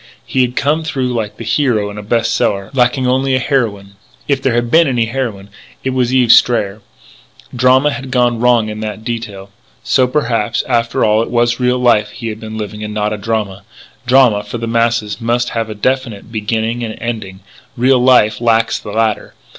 He had come through like the hero in a best seller.... Lacking only a heroine.... If there had been any heroine it was Eve Strayer. Drama had gone wrong in that detail.... So perhaps, after all, it was real life he had been living and not drama. Drama, for the masses, must have a definite beginning and ending. Real life lacks the latter.